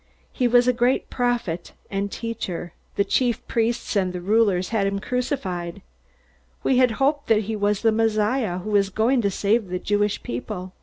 He was a great prophet and teacher. The chief priests and the rulers had him crucified. We had hoped that he was the Messiah, who was going to save the Jewish people.